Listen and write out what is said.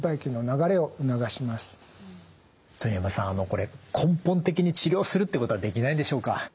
これ根本的に治療するってことはできないんでしょうか？